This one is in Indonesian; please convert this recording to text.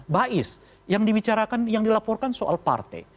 bais yang dilaporkan soal partai